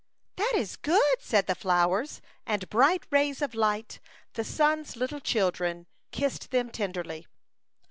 "That is good," said the flowers, and bright rays of light, the sun's little children, kissed them tenderly.